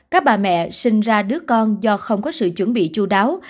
các bà mẹ sinh ra đứa con do không có sự chuẩn bị chú đáo